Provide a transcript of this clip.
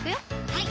はい